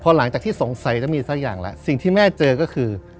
หลังจากที่สงสัยจะมีสักอย่างแล้วสิ่งที่แม่เจอก็คือ